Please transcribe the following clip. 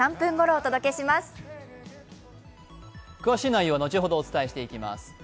詳しい内容は後ほどお伝えしていきます。